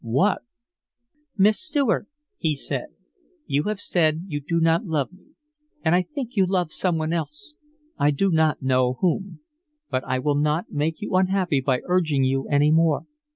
"What?" "'Miss Stuart,' he said, 'you have said you do not love me. And I think you love some one else I do not know whom; but I will not make you unhappy by urging you any more.